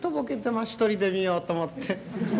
まあ一人で見ようと思って。